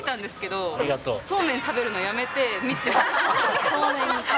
そうめん食べるのやめて見てました。